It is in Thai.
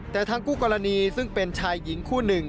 แต่ทางคู่กรณีซึ่งเป็นชายหญิงคู่หนึ่ง